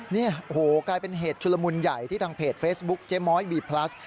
นี่โอ้โหกลายเป็นเหตุชุลมุนใหญ่ที่ทางเพจเฟซบุ๊คเจ๊ม้อยบีพลัส